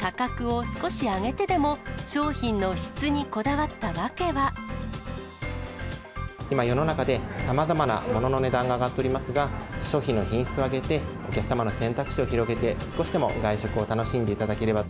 価格を少し上げてでも、今、世の中でさまざまなものの値段が上がっておりますが、商品の品質を上げて、お客様の選択肢を広げて、少しでも外食を楽しんでいただければ。